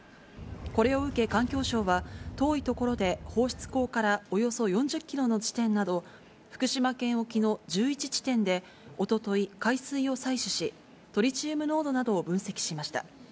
これを受け、環境省は、遠い所で放出口からおよそ４０キロの地点など、福島県沖の１１地点でおととい海水を採取し、トリチウム濃度などを分析しました。